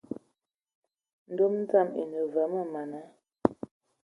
Ndom dzaŋ ene ve a man nna?